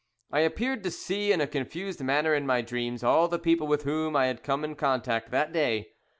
I appeared to see in a confused manner in my dreams all the people with whom I had come in contact that day.